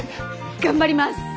頑張ります！